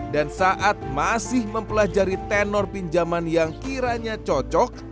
dan saat masih mempelajari tenor pinjaman yang kiranya cocok